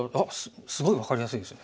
すごい分かりやすいですよ。